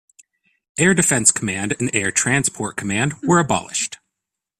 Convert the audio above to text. Air Defence Command and Air Transport Command were abolished.